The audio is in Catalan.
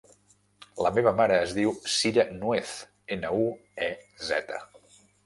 La meva mare es diu Cira Nuez: ena, u, e, zeta.